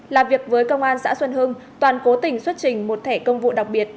làm việc với công an xã xuân hưng toàn cố tình xuất trình một thẻ công vụ đặc biệt